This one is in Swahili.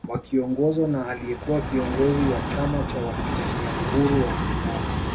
Wakiongozwa na aliyekuwa kiongozi wa chama cha wapigania uhuru wa Zimbabwe